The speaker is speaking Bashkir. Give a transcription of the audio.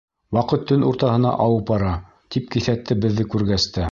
Ваҡыт төн уртаһына ауып бара. — тип киҫәтте беҙҙе күргәс тә.